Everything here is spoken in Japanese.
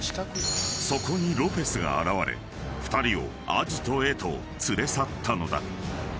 ［そこにロペスが現れ２人をアジトへと連れ去ったのだ］